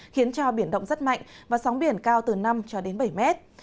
khiến cho biển động rất mạnh và sóng biển cao từ năm cho đến bảy mét